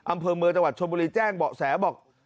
อำเภอเมืองจังหวัดชนบุรีแจ้งเบาะแสบอก